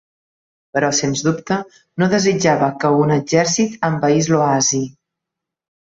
Però, sens dubte, no desitjava que un exèrcit envaís l'oasi.